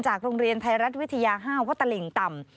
โรงเรียนไทยรัฐวิทยา๕วัตลิ่งต่ำ